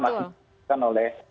masih diperlukan oleh